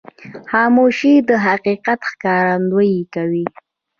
خاموشي، د حقیقت ښکارندویي کوي.